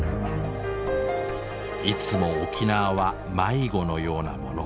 いつも沖縄は迷子のようなもの。